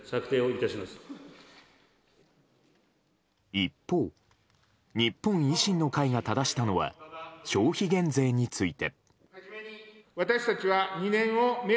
一方、日本維新の会がただしたのは消費減税について。